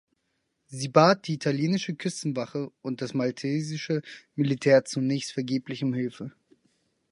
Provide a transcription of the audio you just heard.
Sie bat die italienische Küstenwache und das maltesische Militär zunächst vergeblich um Hilfe.